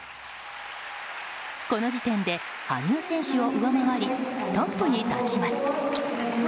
この時点で羽生選手を上回りトップに立ちます。